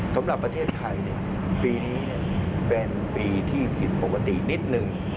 สำหรับประเทศไทยปีนี้เป็นปีที่ผิดปกตินิดนึง